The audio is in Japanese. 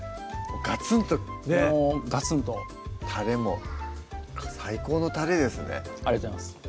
ガツンとねっもうガツンとたれも最高のたれですねありがとうございます